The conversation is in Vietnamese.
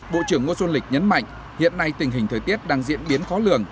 bộ trưởng ngô xuân lịch nhấn mạnh hiện nay tình hình thời tiết đang diễn biến khó lường